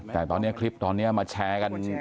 แต่ตอนนี้คลิปมาแชร์กัน